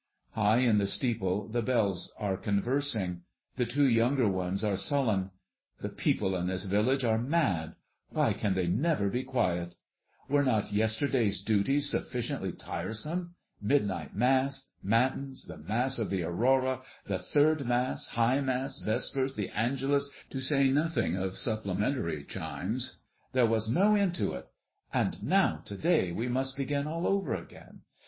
High in the steeple the bells are conversing. The two younger ones are sullen. "The people in this village are mad. Why can they never be quiet? Were not yesterday's duties sufficiently tiresome? midnight Mass, Matins, the Mass of the Aurora, the third Mass, High Mass, Vespers, the Angelus, to say nothing of supplementary chimes. There was no end to it! And now to day we must begin all over again.